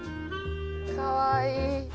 かわいい。